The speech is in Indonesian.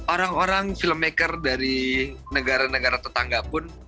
orang orang filmmaker dari negara negara tetangga pun